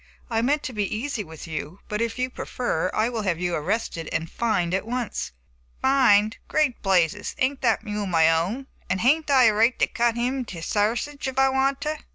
I meant to be easy with you, but, if you prefer, I will have you arrested and fined at once." "Fined! great blazes, ain't that mule my own, and hain't I a right to cut him into sarsage if I want to?"